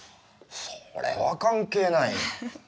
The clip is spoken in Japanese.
それは関係ない。